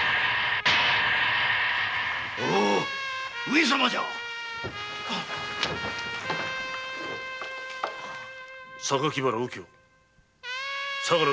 上様じゃ榊原右京相良